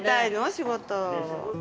仕事。